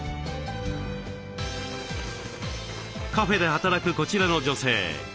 カフェで働くこちらの女性。